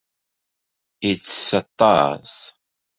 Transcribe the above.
Yettess aṭas.